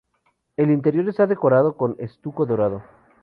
El interior está decorado con estuco dorado.